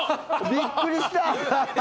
びっくりした！